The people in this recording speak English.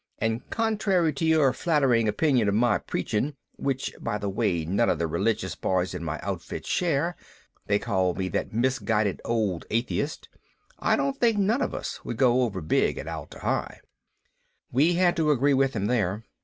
And contrary to your flattering opinion of my preaching (which by the way none of the religious boys in my outfit share they call me 'that misguided old atheist'), I don't think none of us would go over big at Atla Hi." We had to agree with him there.